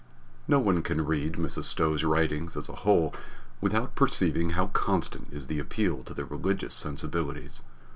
No one can read Mrs. Stowe's writings as a whole without perceiving how constant is the appeal to the religious sensibilities.